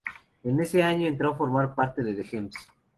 En ese año entró a formar parte de The Gems.